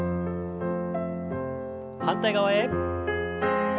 反対側へ。